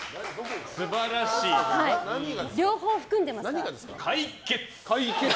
両方含んでますから。